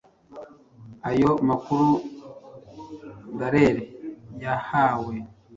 Ayo makuru Dallaire yayahawe